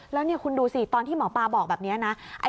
แล้วนี่คุณดูสิตอนที่หมอปลาบอกแบบนี้นะ